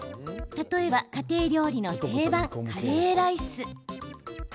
例えば、家庭料理の定番カレーライス。